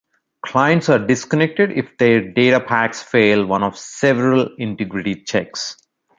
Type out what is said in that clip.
Clients are disconnected if their data packs fail one of several integrity checks.